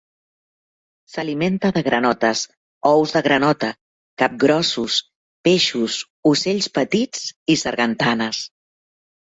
S'alimenta de granotes, ous de granota, capgrossos, peixos, ocells petits i sargantanes.